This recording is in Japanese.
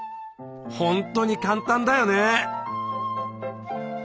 ほんとに簡単だよね。